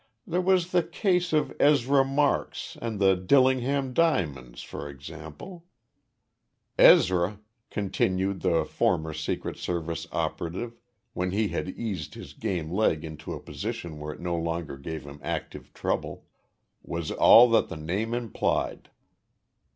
There was the case of Ezra Marks and the Dillingham diamonds, for example...." Ezra [continued the former Secret Service operative, when he had eased his game leg into a position where it no longer gave him active trouble] was all that the name implied.